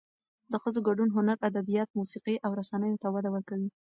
د ښځو ګډون هنر، ادبیات، موسیقي او رسنیو ته وده ورکوي.